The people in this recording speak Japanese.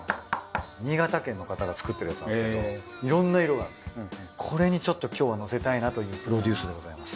新潟県の方が作ってくれてたんですけどいろんな色があってこれにちょっと今日はのせたいなというプロデュースでございます。